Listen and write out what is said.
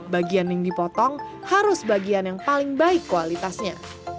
bagian yang dipotong harus bagian yang paling baik kualitasnya